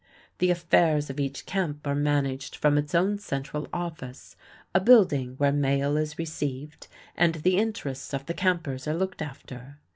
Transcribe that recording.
The affairs of each camp are managed from its own central office, a building where mail is received and the interests of the campers are looked after.